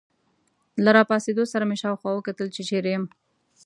له راپاڅېدو سره مې شاوخوا وکتل، چې چیرې یم.